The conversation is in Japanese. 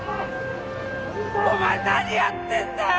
お前何やってんだよ！